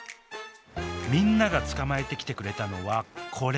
みんなが捕まえてきてくれたのはこれ。